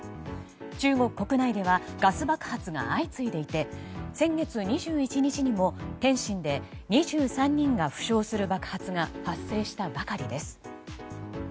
中国国内ではガス爆発が相次いでいて先月２１日にも天津で２３人が負傷する爆発が発生したばかりです。